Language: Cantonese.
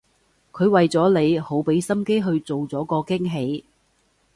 佢為咗你好畀心機去做咗個驚喜